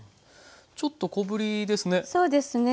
ちょっと小ぶりですね。